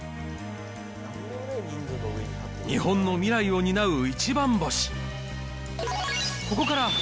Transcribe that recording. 日本の未来を担うイチバン星。